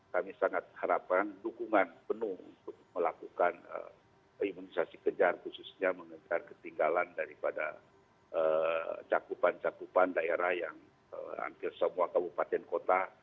kami sangat harapkan dukungan penuh untuk melakukan imunisasi kejar khususnya mengejar ketinggalan daripada cakupan cakupan daerah yang hampir semua kabupaten kota